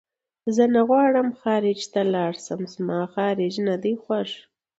زه نه غواړم خارج ته لاړ شم زما خارج نه دی خوښ